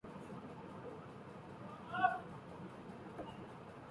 তিনি দীর্ঘদিন কাকারা ইউনিয়ন বোর্ডের সভাপতি ছিলেন।